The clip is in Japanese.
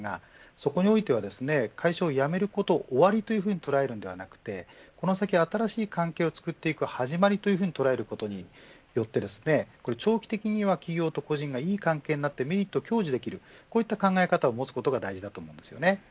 そこにおいては会社を辞めることを終わりと捉えるのではなくこの先、新しく関係をつくる始まりと捉えることによって長期的には企業と個人がいい関係になってメリットを享受できるこうした考え方を持つことが大事です。